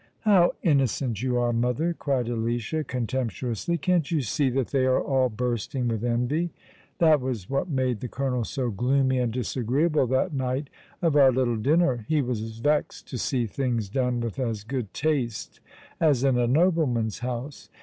" How innocent you are, mother," cried Alicia, contemptu ously ;" can't you see that they are all bursting with envy ? That was what made the eolonel so gloomy and disagreeable the night of our little dinner. He was vexed to see things done with as good taste as in a nobleman's house.